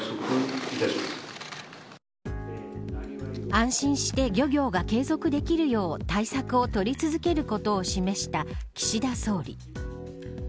安心して漁業が継続できるよう対策を取り続けることを示した岸田総理。